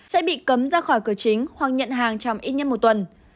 sẽ bị cấm ra khỏi cửa chính hoặc nhận hàng trong ít nhất một tuần